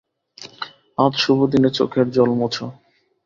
আজ শুভ দিনে চোখের জল মােছ!